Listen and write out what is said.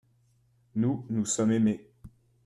nous, nous sommes aimés.